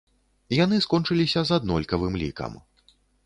Яны скончыліся з аднолькавым лікам.